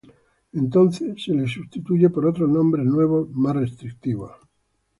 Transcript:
Entonces se los sustituye por otros nombres nuevos, más restrictivos.